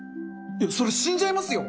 いやそれ死んじゃいますよ。